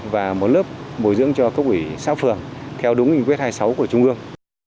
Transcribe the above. và một lớp bồi dưỡng cho cốc ủy xã phường theo đúng hình quyết hai mươi sáu của trung ương